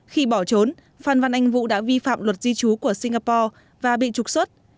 khi bỏ trốn phan văn anh vũ đã vi phạm luật di trú của singapore và bị trục xuất